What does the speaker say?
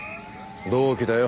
同期だよ。